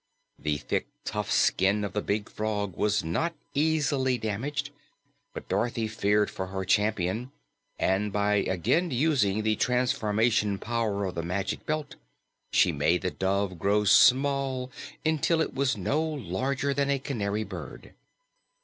The thick, tough skin of the big frog was not easily damaged, but Dorothy feared for her champion, and by again using the transformation power of the Magic Belt, she made the dove grow small until it was no larger than a canary bird.